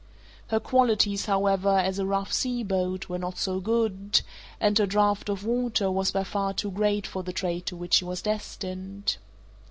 Her qualities, however, as a rough sea boat, were not so good, and her draught of water was by far too great for the trade to which she was destined.